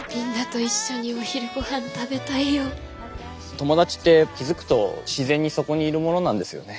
友達って気付くと自然にそこにいるものなんですよね。